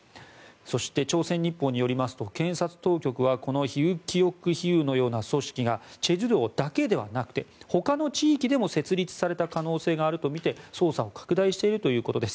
そして、朝鮮日報によりますと検察当局はこのヒウッ・キヨック・ヒウッのような組織が済州道だけではなくてほかの地域でも設立された可能性があるとみて捜査を拡大しているということです。